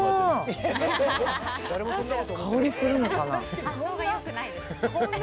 香りするのかな。